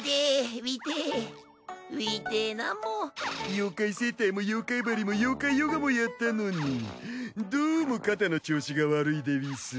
妖怪整体も妖怪鍼も妖怪ヨガもやったのにどうも肩の調子が悪いでうぃす。